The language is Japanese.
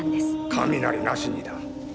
雷なしにだ。